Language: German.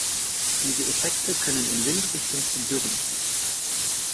Diese Effekte können in Windrichtung zu Dürren führen.